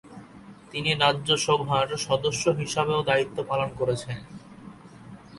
তিনি রাজ্যসভার সদস্য হিসাবেও দায়িত্ব পালন করেছিলেন।